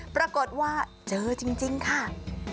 ปรากฏว่าเจอจริงค่ะ